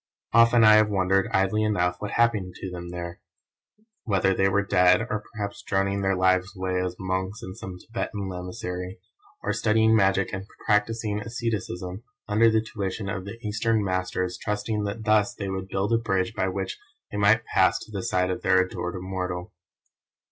Often I have wondered, idly enough, what happened to them there; whether they were dead, or perhaps droning their lives away as monks in some Thibetan Lamasery, or studying magic and practising asceticism under the tuition of the Eastern Masters trusting that thus they would build a bridge by which they might pass to the side of their adored Immortal.